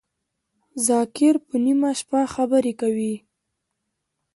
ذاکر په نیمه شپه خبری کوی